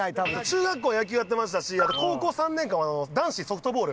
中学校野球やってましたしあと高校３年間は男子ソフトボール。